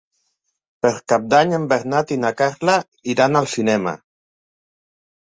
Per Cap d'Any en Bernat i na Carla iran al cinema.